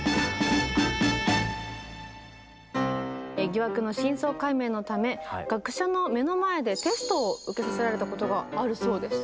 疑惑の真相解明のため学者の目の前でテストを受けさせられたことがあるそうです。